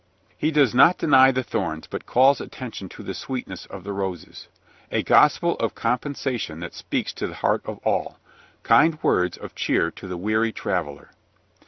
He does not deny the thorns, but calls attention to the sweetness of the roses a gospel of compensation that speaks to the heart of all; kind words of cheer to the weary traveler.